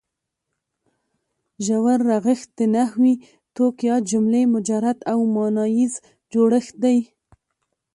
ژور رغښت د نحوي توک یا جملې مجرد او ماناییز جوړښت دی.